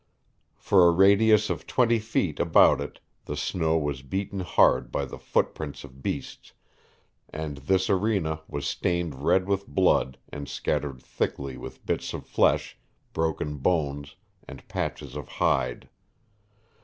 For a radius of twenty feet about it the snow was beaten hard by the footprints of beasts, and this arena was stained red with blood and scattered thickly with bits of flesh, broken bones and patches of hide.